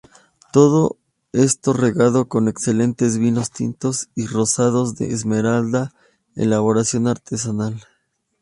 Todo esto regado con excelentes vinos tintos y rosados de esmerada elaboración artesana.